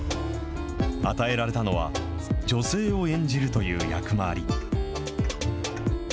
与えられたのは、女性を演じるという役回り。